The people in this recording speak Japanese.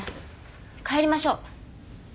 帰りましょう。